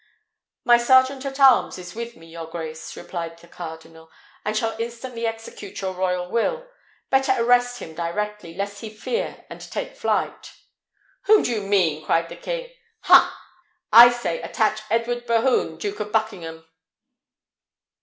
"My sergeant at arms is with me, your grace," replied the cardinal, "and shall instantly execute your royal will. Better arrest him directly, lest he fear and take flight." "Whom mean you?" cried the king. "Ha! I say attach Edward Bohun, Duke of Buckingham."